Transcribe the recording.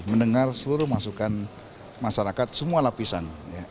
mendengar seluruh masukan masyarakat semua lapisan